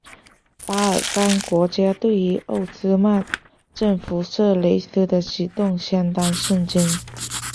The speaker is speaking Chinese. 巴尔干国家对于奥斯曼征服色雷斯的举动相当震惊。